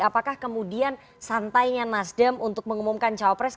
apakah kemudian santainya nasdem untuk mengumumkan cawapres